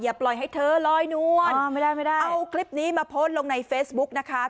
ปล่อยให้เธอลอยนวลไม่ได้เอาคลิปนี้มาโพสต์ลงในเฟซบุ๊กนะคะ